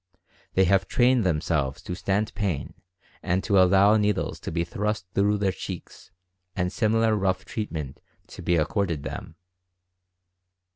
They have trained themselves to stand pain and to allow needles to be thrust through their cheeks and similar rough treatment to be ac corded them.